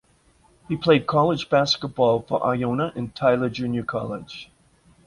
He played college basketball for Iona and Tyler Junior College.